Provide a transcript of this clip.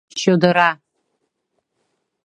Чодыра...